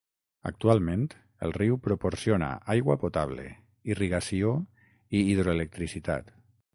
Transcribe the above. Actualment el riu proporciona aigua potable, irrigació i hidroelectricitat.